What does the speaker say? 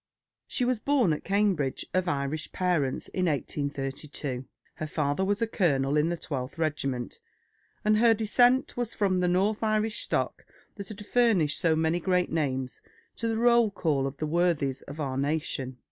She was born at Cambridge, of Irish parents, in 1832. Her father was a colonel in the 12th Regiment, and her descent was from the north Irish stock that has furnished so many great names to the roll call of the worthies of our nation.